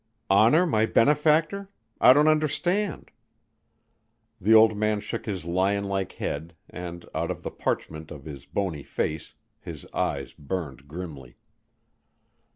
"Honor my benefactor? I don't understand." The old man shook his lion like head and, out of the parchment of his bony face, his eyes burned grimly.